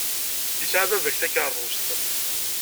Yesɛa baba takeṛṛust.